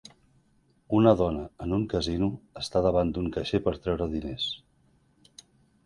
Una dona en un casino està davant d'un caixer per treure diners